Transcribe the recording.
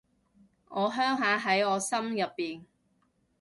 我鄉下喺我心入面